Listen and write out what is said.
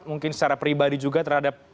mungkin secara pribadi juga terhadap